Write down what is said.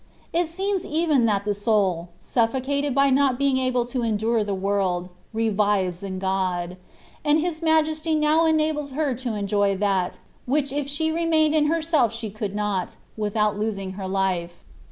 It seems even that the soul, suffocated by not being able to endure the world, revives in God ; and His Majesty now enables her to enjoy that, which if she remained in herself she could not, without losing her life.